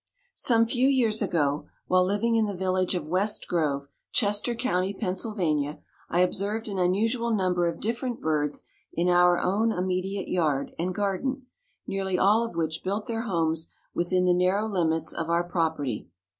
Some few years ago, while living in the village of West Grove, Chester County, Pennsylvania, I observed an unusual number of different birds in our own immediate yard and garden, nearly all of which built their homes within the narrow limits of our property.